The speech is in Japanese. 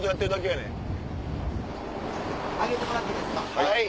はい。